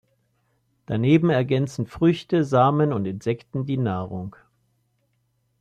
Daneben ergänzen Früchte, Samen und Insekten die Nahrung.